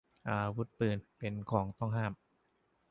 อาวุธปืน เป็นของต้องห้าม